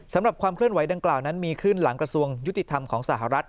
ความเคลื่อนไหดังกล่าวนั้นมีขึ้นหลังกระทรวงยุติธรรมของสหรัฐ